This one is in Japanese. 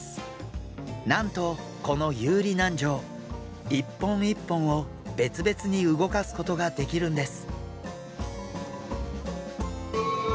なんとこの遊離軟条１本１本を別々に動かすことができるんです。